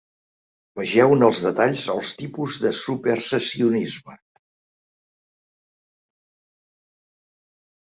Vegeu-ne els detalls als tipus de supersessionisme.